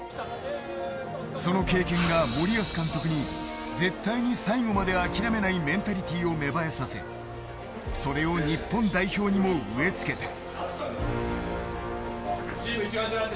その経験が、森保監督に絶対に最後まで諦めないメンタリティーを芽生えさせそれを日本代表にも植えつけた。